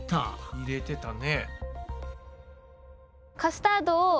入れてたね。